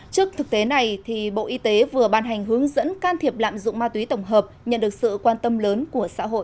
trước thực tế này bộ y tế vừa ban hành hướng dẫn can thiệp lạm dụng ma túy tổng hợp nhận được sự quan tâm lớn của xã hội